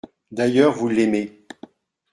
D’ailleurs, vous l’aimez.